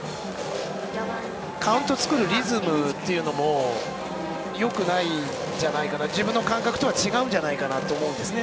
カウントを作るリズムというのもよくないんじゃないかな自分の感覚とは違うんじゃないかなと思うんですね。